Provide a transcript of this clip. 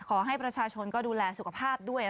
ขอให้ประชาชนก็ดูแลสุขภาพด้วย